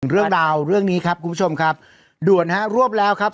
เรื่องราวเรื่องนี้ครับคุณผู้ชมครับด่วนฮะรวบแล้วครับ